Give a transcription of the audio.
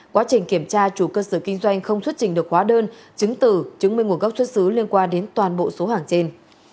quá trình kiểm tra chủ cơ sở kinh doanh không xuất trình được hóa đơn chứng từ chứng minh nguồn gốc xuất xứ liên quan đến toàn bộ số hàng trên